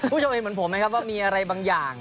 ผู้ชมเห็นเหมือนผมไหมครับว่ามีอะไรบางอย่าง